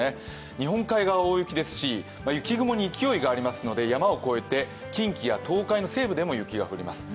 日本海側は大雪ですし、雪雲に勢いがありますので、山を越えて近畿や東海の西部でも雪が降ります。